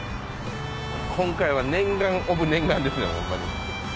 今回は念願オブ念願ですねホンマに。